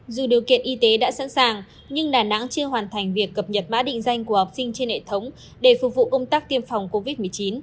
dù điều kiện y tế đã sẵn sàng nhưng đà nẵng chưa hoàn thành việc cập nhật mã định danh của học sinh trên hệ thống để phục vụ công tác tiêm phòng covid một mươi chín